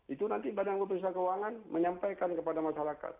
itu nanti badan pemeriksa keuangan menyampaikan kepada masyarakat